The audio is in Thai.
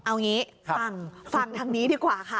เอางี้ฟังฟังทางนี้ดีกว่าค่ะ